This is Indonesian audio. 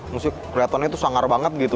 maksudnya kreatonnya tuh sangar banget gitu